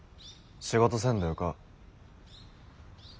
仕事せんでよか。